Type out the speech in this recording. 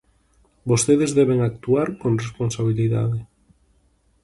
Vostedes deben actuar con responsabilidade.